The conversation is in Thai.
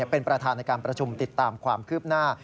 เป็นประธานในการประชุมติดตามความคืบหน้า